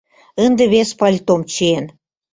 Ынде вес пальтом чиен.